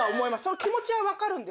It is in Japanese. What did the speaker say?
気持ちは分かるんですけど。